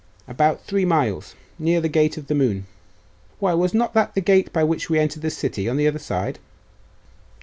'About three miles; near the gate of the Moon.' 'Why, was not that the gate by which we entered the city on the other side?